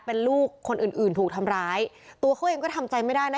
เป็นลูกคนอื่นอื่นถูกทำร้ายตัวเขาเองก็ทำใจไม่ได้นะ